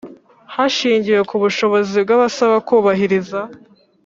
hashingiwe ku bushobozi bw abasaba kubahiriza